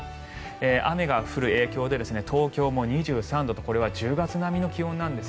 雨が降る影響で東京も２３度とこれは１０月並みの気温です。